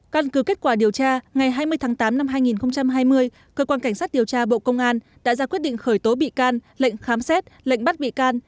căn cứ kết quả điều tra ngày hai mươi tháng tám năm hai nghìn hai mươi cơ quan cảnh sát điều tra bộ công an đã ra quyết định khởi tố bị can lệnh khám xét lệnh bắt bị can